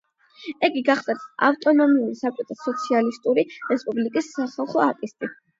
იგი გახლდათ ავტონომიური საბჭოთა სოციალისტური რესპუბლიკის სახალხო არტისტი.